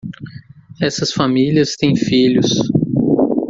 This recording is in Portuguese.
Essas famílias têm filhos.